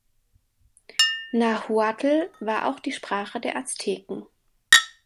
Nahuatl war auch die Sprache der Azteken.